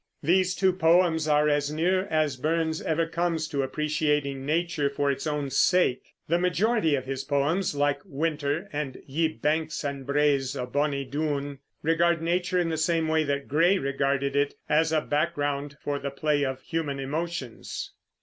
These two poems are as near as Burns ever comes to appreciating nature for its own sake. The majority of his poems, like "Winter" and "Ye banks and braes o' bonie Doon," regard nature in the same way that Gray regarded it, as a background for the play of human emotions.